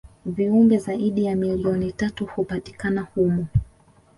viumbe zaidi ya milioni tatu hupatikana humo